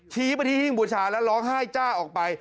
ชี้ไปที่หิ้งบูชาแล้วร้องไห้จ้าออกไป